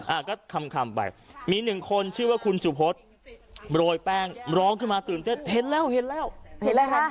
อ่าก็คำคำไปมีหนึ่งคนชื่อว่าคุณสุพศโรยแป้งร้องขึ้นมาตื่นเต้นเห็นแล้วเห็นแล้วเห็นแล้วนะ